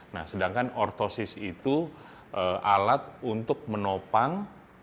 nah sedangkan ortosis itu alat untuk menopang